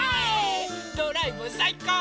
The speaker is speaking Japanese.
ドライブさいこう！